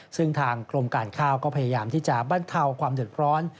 ซึ่งทางกรมการข้าวก็พยายามที่จะบรรเทาความเดือดร้อน